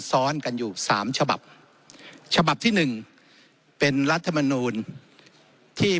ซ้อนกันอยู่สามฉบับฉบับที่หนึ่งเป็นรัฐมนูลที่